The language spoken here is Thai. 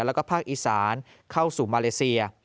แล้วก็ภาคอีสานเข้าสู่มาเลเซีย